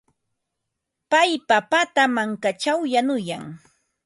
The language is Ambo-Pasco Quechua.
Pay papata mankaćhaw yanuyan.